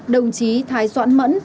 đồng chí thái soãn mẫn